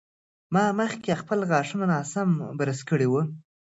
ما مخکې خپل غاښونه ناسم برس کړي وو.